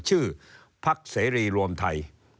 ชื่อพักเสรีรวมไทย